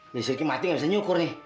nih syirky mati gak bisa nyukur nih